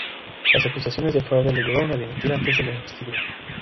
Las acusaciones de fraude lo llevaron a dimitir antes de la investidura.